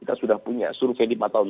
kita sudah punya survei lima tahun